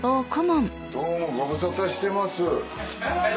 どうもご無沙汰してます。